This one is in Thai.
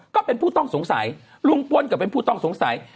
ก็เป็นผู้ต้องสงสัยลุงพลก็เป็นผู้ต้องสงสัย